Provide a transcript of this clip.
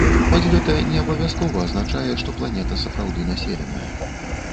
Хоць гэта не абавязкова азначае, што планета сапраўды населеная.